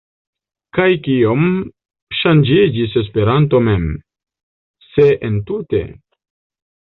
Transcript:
Kaj kiom ŝanĝiĝis Esperanto mem, se entute?